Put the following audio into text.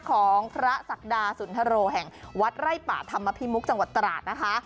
ของพระศักดาสุนทโรแห่งวัดไร่ป่าธรรมพิมุกจังหวัดตราดนะคะ